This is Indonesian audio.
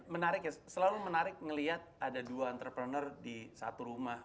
menarik ya selalu menarik ngelihat ada dua entrepreneur di satu rumah